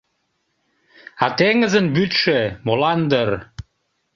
А теҥызын вӱдшӧ, — молан дыр, —